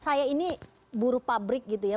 saya ini buru pabrik gitu ya